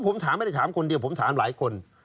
ผมถามไม่ได้ถามคนเดียวผมถามหลายคน